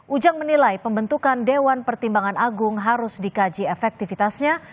ujang menilai pembentukan dewan pertimbangan agung harus dikaji efektivitasnya